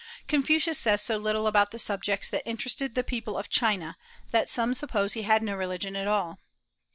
Confucius says so little about the subjects that interested the people of China that some suppose he had no religion at all.